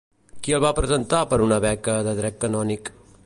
Qui el va presentar per a una beca de dret canònic?